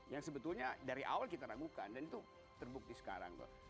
yang sebetulnya dari awal kita ragukan dan itu terbukti sekarang kok